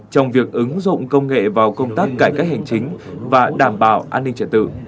trong việc ứng dụng công nghệ vào công tác cải cách hành chính và đảm bảo an ninh trật tự